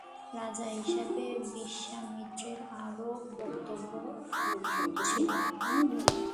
রাজা হিসেবে বিশ্বামিত্রের আরও বক্তব্য ছিল।